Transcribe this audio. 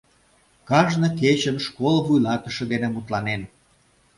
Кажне кечын школ вуйлатыше дене мутланен.